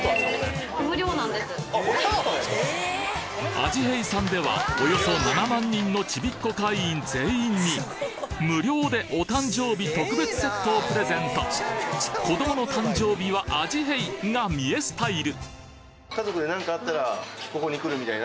あじへいさんではおよそ７万人のちびっこ会員全員に無料でお誕生日特別セットをプレゼント子どもの誕生日はあじへいが三重スタイル